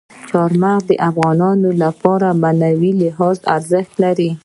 چار مغز د افغانانو لپاره په معنوي لحاظ ارزښت لري.